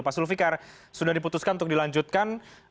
pak sulfikar sudah diputuskan untuk dilanjutkan